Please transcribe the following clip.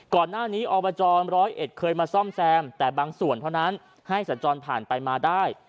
ก่อนหน้านี้อบจ๑๐๑เคยมาซ่อมแซมแต่บางส่วนเท่านั้นให้สัญจรผ่านไปมาได้